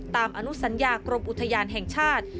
อนุสัญญากรมอุทยานแห่งชาติ